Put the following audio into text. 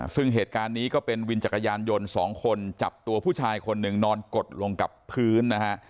ซึ่งเหตุการณ์นี้ก็เป็นวินจักรยานยนต์สองคนจับตัวผู้ชายคนหนึ่งนอนกดลงกับพื้นนะฮะ